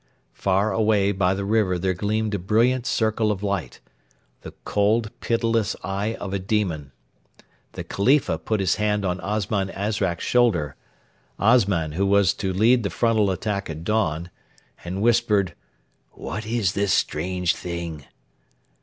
Far away by the river there gleamed a brilliant circle of light the cold, pitiless eye of a demon. The Khalifa put his hand on Osman Azrak's shoulder Osman, who was to lead the frontal attack at dawn and whispered, 'What is this strange thing?'